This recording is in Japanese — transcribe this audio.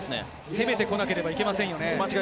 攻めてこなければいけませんね。